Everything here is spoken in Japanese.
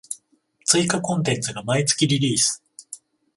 追加コンテンツが毎月リリース